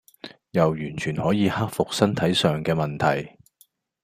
又完全可以克服身體上嘅問題